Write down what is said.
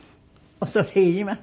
恐れ入ります。